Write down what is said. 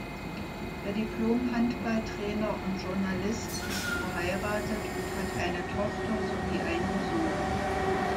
Der Diplom-Handballtrainer und Journalist ist verheiratet und hat eine Tochter, sowie einen Sohn.